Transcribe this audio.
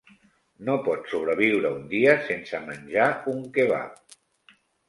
No pot sobreviure un dia sense menjar un kebab.